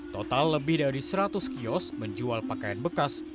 total lebih dari seratus kios menjual pakaian bekas